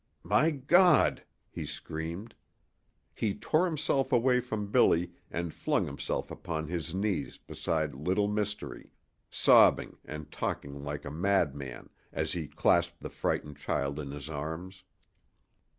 "My God!" he screamed. He tore himself away from Billy and flung himself upon his knees beside Little Mystery, sobbing and talking like a madman as he clasped the frightened child in his arms.